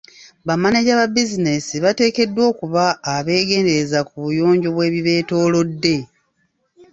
Ba maneja ba bizinesi bateekeddwa okuba abeegendereza ku buyonjo bw'ebibeetoolodde.